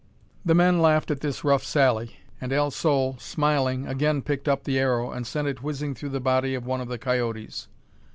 The men laughed at this rough sally; and El Sol, smiling, again picked up the arrow, and sent it whizzing through the body of one of the coyotes.